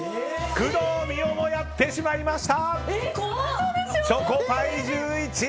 工藤美桜もやってしまいました。